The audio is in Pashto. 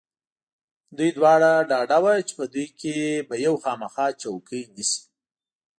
دوی دواړه ډاډه و چې په دوی کې به یو خامخا چوکۍ نیسي.